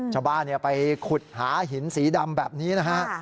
ชาวบ้านไปขุดหาหินสีดำแบบนี้นะฮะ